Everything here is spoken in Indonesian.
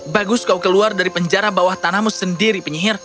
bagus kau keluar dari penjara bawah tanahmu sendiri penyihir